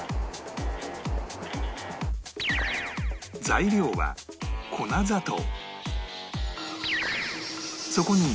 材料は粉砂糖